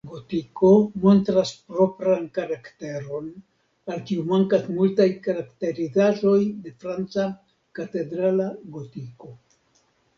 Itala gotiko montras propran karakteron, al kiu mankas multaj karakterizaĵoj de franca katedrala gotiko.